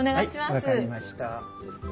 はい分かりました。